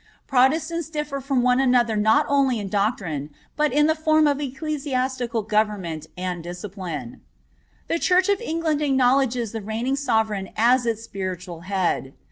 Protestants differ from one another not only in doctrine, but in the form of ecclesiastical government and discipline. The church of England acknowledges the reigning Sovereign as its Spiritual Head.